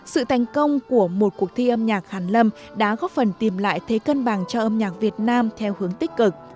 sự thành công của một cuộc thi âm nhạc hàn lâm đã góp phần tìm lại thế cân bằng cho âm nhạc việt nam theo hướng tích cực